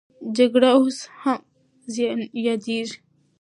جګړه اوس هم یادېږي.